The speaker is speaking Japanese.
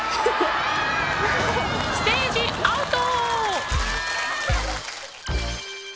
ステージアウト！